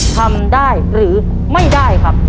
ทำได้หรือไม่ได้ครับ